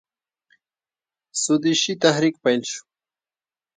سودیشي تحریک پیل شو.